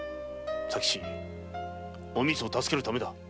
佐吉おみつを助けるためだ。